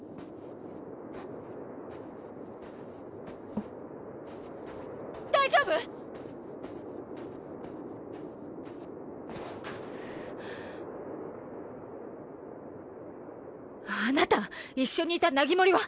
あっ大丈夫⁉はぁあなた一緒にいたナギモリは？